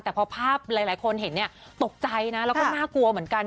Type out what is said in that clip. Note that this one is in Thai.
แต่พอภาพหลายคนเห็นเนี่ยตกใจนะแล้วก็น่ากลัวเหมือนกัน